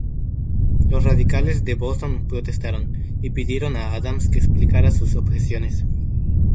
Los radicales de Boston protestaron y pidieron a Adams que explicara sus objeciones.